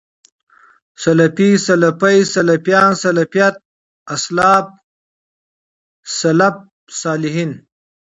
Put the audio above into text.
سلفي، سلفۍ، سلفيان، سلفيَت، اسلاف، سلف صالحين